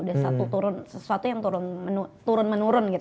udah sesuatu yang turun menurun gitu